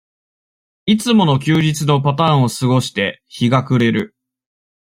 いつもの休日のパターンを過ごして、日が暮れる。